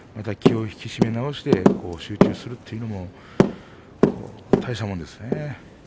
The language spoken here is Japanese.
気を引き締め直して集中するというのも大したもんですね。